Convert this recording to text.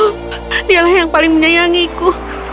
oh dialah yang paling menyayangiku